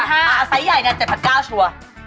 ไข่ใหญ่ไง๗๙๐๐ตัว